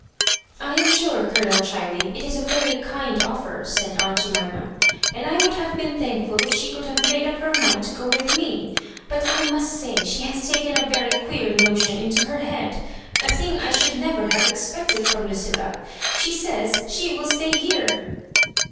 " I am sure. Colonel Cbiley, it is a very kind offer," said aunt Jemuna, "and I would have been thankful if she could have made up her mind to go with me. But I must say she has taken a very queer notion into her head— a thing I should never have expected firom Lucilla — she says she will stay here."